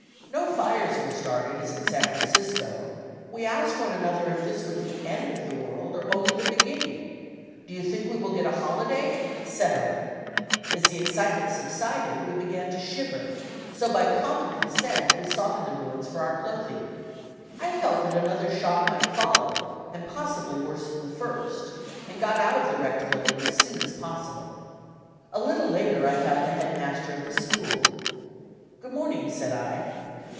No fires were started, as in San Francisco. We asked one another "if this was the end of the world or only the beginning." "Do you think we will get a holiday?" etc. As the excitement subsided, we began to shiver, so by common consent we sought in the ruins for our clothing. I felt that another shock might follow, and possibly worse than the first, and got out of the wrecked building as soon as possible. A little later I found the Head Master of the school. "Good morning," said I.